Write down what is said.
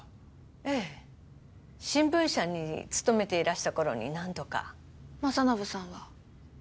ええ新聞社に勤めていらした頃に何度か政信さんは？